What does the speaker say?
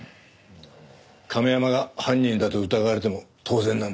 亀山が犯人だと疑われても当然なんだよ。